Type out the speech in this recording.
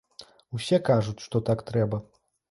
Усе кажуць, што так трэба.